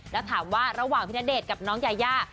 แล้วถามว่าระหว่างพี่ณเดชน์กับน้องยายา